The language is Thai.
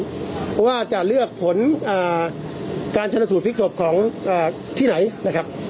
เพราะว่าจะเลือกผลการชนสูตรพลิกศพของที่ไหนนะครับ